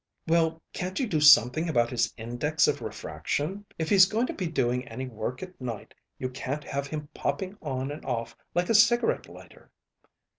"Well, can't you do something about his index of refraction? If he's going to be doing any work at night, you can't have him popping on and off like a cigarette lighter."